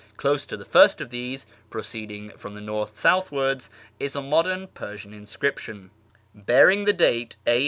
Close to the first of these (proceeding from the north southwards) is a modern Persian inscription,^ bearing the date a.